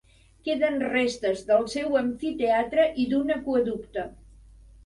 Queden restes del seu amfiteatre i d'un aqüeducte.